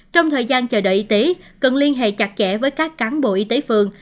trong thời gian chờ đợi y tế cần liên hệ chặt chẽ với các cán bộ y tế phường